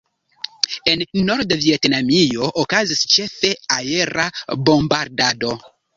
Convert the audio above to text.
En Nord-Vjetnamio okazis ĉefe aera bombardado.